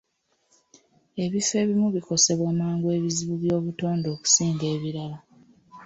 Ebifo ebimu bikosebwa mangu ebizibu by'obutonde okusinga ebirala.